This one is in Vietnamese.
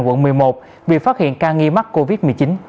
quận một mươi một bị phát hiện ca nghi mắc covid một mươi chín